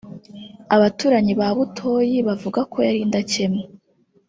Abaturanyi ba Butoyi bavuga ko yari indakemwa